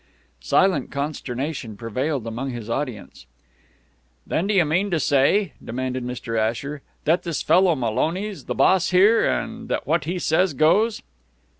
Silent consternation prevailed among his audience. "Then, do you mean to say," demanded Mr. Asher, "that this fellow Maloney's the boss here, and that what he says goes?"